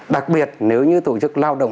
đặc biệt nếu như tổ chức lao động